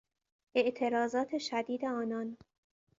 اعتراضات شدید آنان